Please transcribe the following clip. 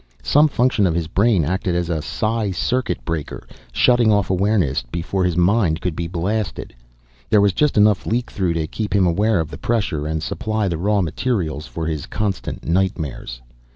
Some function of his brain acted as a psi circuit breaker, shutting off awareness before his mind could be blasted. There was just enough leak through to keep him aware of the pressure and supply the raw materials for his constant nightmares.